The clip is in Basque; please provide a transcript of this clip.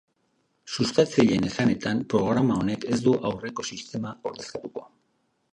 Sustatzaileen esanetan, programa honek ez du aurreko sistema ordezkatuko.